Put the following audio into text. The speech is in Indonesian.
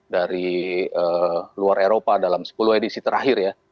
dari luar eropa dalam sepuluh edisi terakhir ya